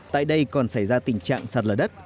tại đây còn xảy ra tình trạng sạt lở đất